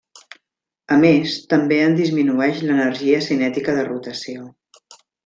A més, també en disminueix l'energia cinètica de rotació.